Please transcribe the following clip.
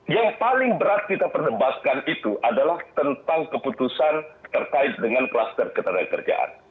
yang paling berat kita perdebaskan itu adalah tentang keputusan terkait dengan kluster ketenagakerjaan